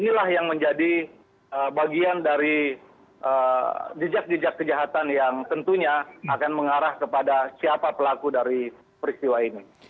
dan inilah yang menjadi bagian dari jejak jejak kejahatan yang tentunya akan mengarah kepada siapa pelaku dari peristiwa ini